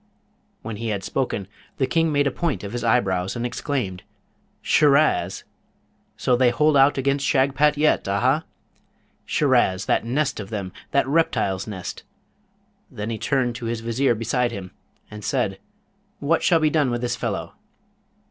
When he had spoken, the King made a point of his eyebrows, and exclaimed, 'Shiraz? So they hold out against Shagpat yet, aha? Shiraz! that nest of them! that reptile's nest!' Then he turned to his Vizier beside him, and said, 'What shall be done with this fellow?'